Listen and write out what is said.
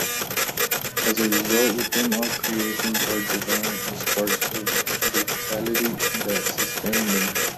As a result, within all creations are Divine sparks of vitality that sustain them.